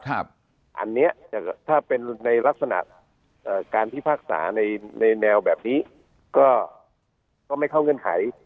อันนี้ถ้าเป็นในลักษณะการพิพากษาในแนวแบบนี้ก็ไม่เข้าเงื่อนไข